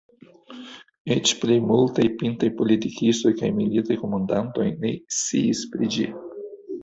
Eĉ plej multaj pintaj politikistoj kaj militaj komandantoj ne sciis pri ĝi.